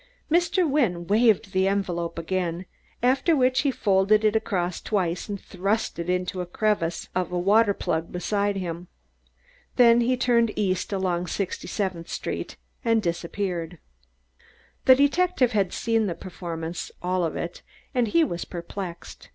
Mr. Wynne waved the envelope again, after which he folded it across twice and thrust it into a crevice of a water plug beside him. Then he turned east along Sixty seventh Street and disappeared. The detective had seen the performance, all of it, and he was perplexed.